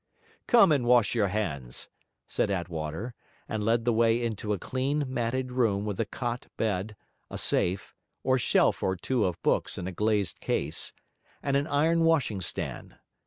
'Come and wash your hands,' said Attwater, and led the way into a clean, matted room with a cot bed, a safe, or shelf or two of books in a glazed case, and an iron washing stand.